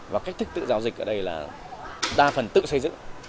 và cách thức tự giao dịch ở đây là đa phần tự xây dựng